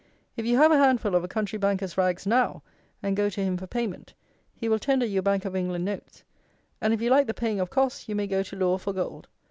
If you have a handful of a country banker's rags now, and go to him for payment, he will tender you Bank of England notes; and if you like the paying of costs you may go to law for gold.